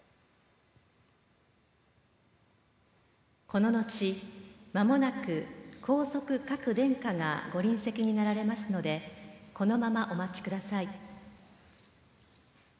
この後、まもなく皇族各殿下がご臨席になられますのでこのままお待ちください。